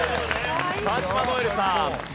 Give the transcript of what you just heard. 川島如恵留さん。